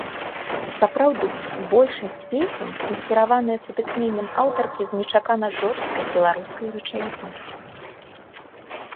Сапраўды, большасць песень інспіраваныя сутыкненнем аўтаркі з нечакана жорсткай беларускай рэчаіснасцю.